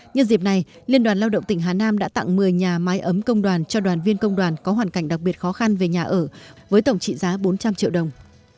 nhân dịp này liên đoàn lao động tỉnh hà nam đã tặng một mươi nhà mái ấm công đoàn cho đoàn viên công đoàn có hoàn cảnh đặc biệt khó khăn về nhà ở với tổng trị giá bốn trăm linh triệu đồng